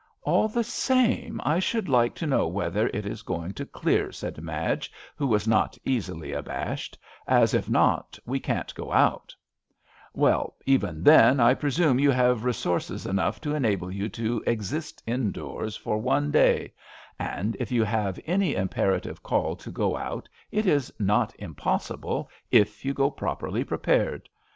''AH the same, I should like to know whether it is going to clear," said Madge, who was not easily abashed, " as, if not* we can't go out/' Well, even then, I presume you have resources enough to enable you to exist indoors for one day; and if you have any imperative call to go out it is not impossible if you go properly prepared.